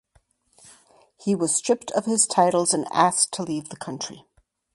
He was stripped of his titles and asked to leave the country.